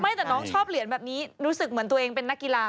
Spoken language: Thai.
แต่น้องชอบเหรียญแบบนี้รู้สึกเหมือนตัวเองเป็นนักกีฬา